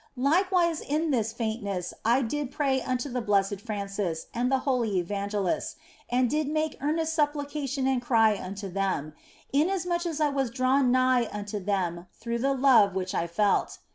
Likewise in this faintness I did pray unto the blessed Francis and the holy Evangelists and did make earnest supplication and cry unto them, inasmuch as I was drawn nigh unto them through the love which I felt.